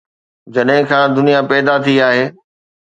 جڏهن کان دنيا پيدا ٿي آهي.